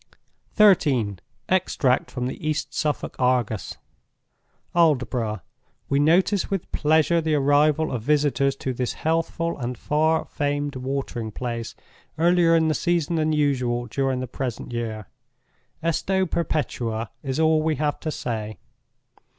XIII. Extract from the East Suffolk Argus. "ALDBOROUGH.—We notice with pleasure the arrival of visitors to this healthful and far famed watering place earlier in the season than usual during the present year. Esto Perpetua is all we have to say.